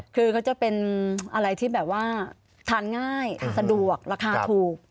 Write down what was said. คือเขาจะเป็นอะไรที่แบบว่าทานง่ายสะดวกราคาถูก